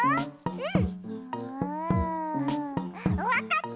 うん！